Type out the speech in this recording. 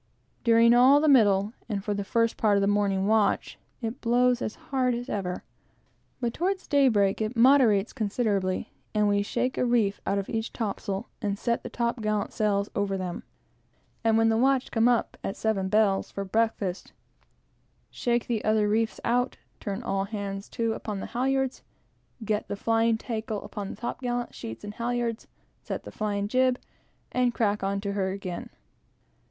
During all the middle, and for the first part of the morning watch, it blows as hard as ever, but toward daybreak it moderates considerably, and we shake a reef out of each topsail, and set the top gallant sails over them and when the watch come up, at seven bells, for breakfast, shake the other reefs out, turn all hands to upon the halyards, get the watch tackle upon the top gallant sheets and halyards, set the flying jib, and crack on to her again.